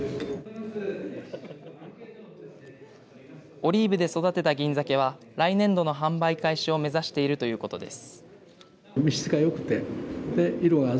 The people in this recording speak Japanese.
オリーブで育てた銀ざけは来年度の販売開始を目指しているということです。